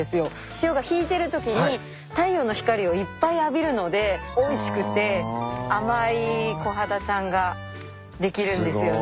潮が引いてるときに太陽の光をいっぱい浴びるのでおいしくて甘いコハダちゃんができるんですよね。